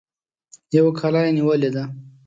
يوه کلا يې نيولې ده.